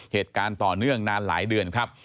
เหตุการณ์ต่อเนื่องนานหลายเดือนครับ